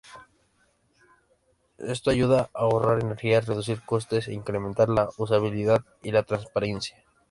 Esto ayuda a ahorrar energía, reducir costes, e incrementar la usabilidad y la transparencia.